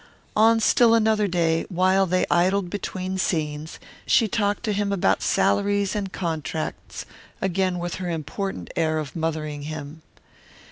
On still another day, while they idled between scenes, she talked to him about salaries and contracts, again with her important air of mothering him.